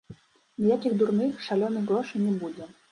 Ніякіх дурных, шалёных грошай не будзе.